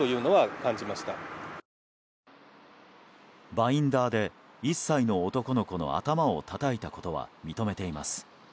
バインダーで１歳の男の子の頭をたたいたことは認めています。